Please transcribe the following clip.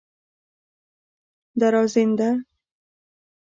دراځینده